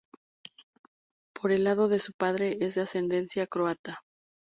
Por el lado de su padre es de ascendencia croata.